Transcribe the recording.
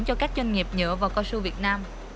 cho các doanh nghiệp nhựa và cao su việt nam